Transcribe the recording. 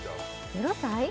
０歳？